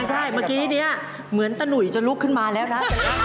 ใช่เมื่อกี้เนี่ยเหมือนตะหนุ่ยจะลุกขึ้นมาแล้วนะ